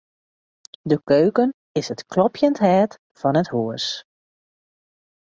De keuken is it klopjend hert fan it hús.